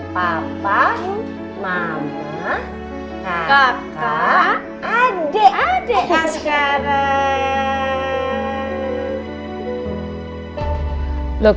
papa mama kakak adik adiknya sekarang